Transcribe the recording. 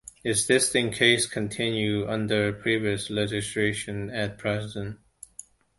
Existing cases continue under previous legislation at present.